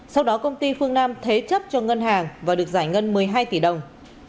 sau đó công ty phương nam thế chấp cho ngân hàng và được giải ngân một mươi hai tỷ đồng